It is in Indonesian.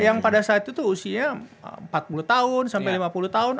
yang pada saat itu tuh usia empat puluh tahun sampai lima puluh tahun